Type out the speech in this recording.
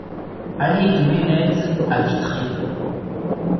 Allée du Ménez à Vitré